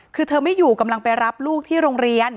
คือเธอไม่อยู่กำลังไปรับลูกที่โรงเรียน